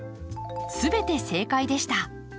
全て正解でした。